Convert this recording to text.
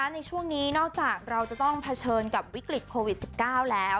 ในช่วงนี้นอกจากเราจะต้องเผชิญกับวิกฤตโควิด๑๙แล้ว